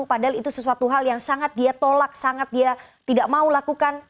padahal itu sesuatu hal yang sangat dia tolak sangat dia tidak mau lakukan